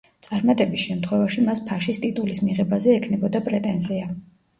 წარმატების შემთხვევაში მას ფაშის ტიტულის მიღებაზე ექნებოდა პრეტენზია.